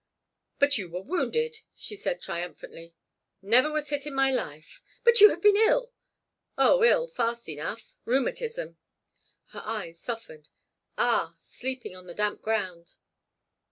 "But you were wounded!" she said, triumphantly. "Never was hit in my life." "But you have been ill!" "Oh, ill, fast enough—rheumatism." Her eyes softened. "Ah, sleeping on the damp ground!"